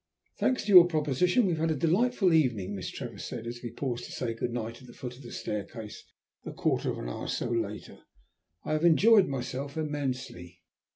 "Thanks to your proposition we have had a delightful evening," Miss Trevor said, as we paused to say good night at the foot of the staircase a quarter of an hour or so later. "I have enjoyed myself immensely."